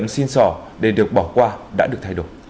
xin sỏ để được bỏ qua đã được thay đổi